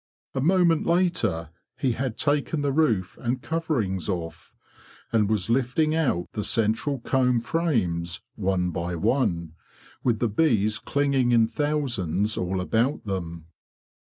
A moment later he had taken the roof and coverings off, and was lifting out the central comb frames one by one, with the bees clinging in thousands all about them.